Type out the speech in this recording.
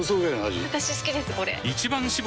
私好きですこれ！